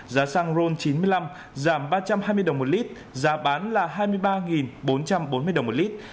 giá xăng ron chín mươi năm giảm ba trăm hai mươi đồng một lít giá bán là hai mươi ba bốn trăm bốn mươi đồng một lít